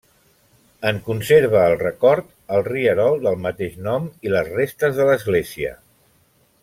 En conserva el record el rierol del mateix nom i les restes de l'església.